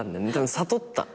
悟った。